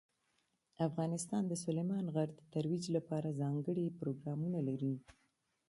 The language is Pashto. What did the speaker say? افغانستان د سلیمان غر د ترویج لپاره ځانګړي پروګرامونه لري.